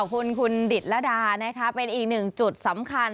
ขอบคุณคุณดิดละดาเป็นอีกหนึ่งจุดสำคัญ